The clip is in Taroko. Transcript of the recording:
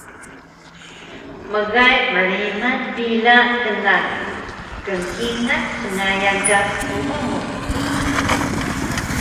Mgay mrimal pila knan kngkingal sngayan ka bubu mu